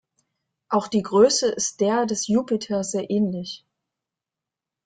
Auch die Größe ist der des Jupiter sehr ähnlich.